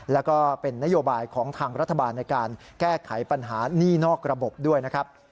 แล้วก็เป็นนโยบายของทางรัฐบาลในการแก้ไขปัญหานี่นอกระบบด้วยนะครับ